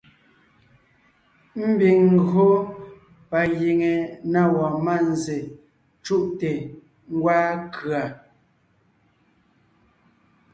Ḿbiŋ ńgÿo pa giŋe na wɔɔn mánzsè cú’te ńgwaa kʉ̀a.